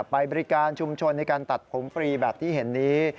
ไปบริการชุมชนในการตัดผมฟรีแบบที่เห็นนี้